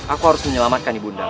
aku harus menyelamatkan ibu undang